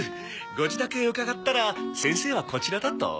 ご自宅へ伺ったら先生はこちらだと。